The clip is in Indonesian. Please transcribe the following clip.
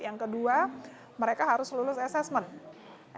yang kedua mereka harus lulus assessment